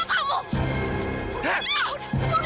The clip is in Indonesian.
sudah sudah sudah